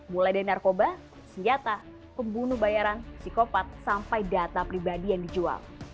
mulai dari narkoba senjata pembunuh bayaran psikopat sampai data pribadi yang dijual